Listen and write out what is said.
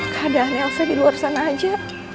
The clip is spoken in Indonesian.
keadaan elsa di luar sana aja